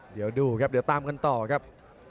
เดี๋ยวดูครับเดี๋ยวตามกันต่อครับ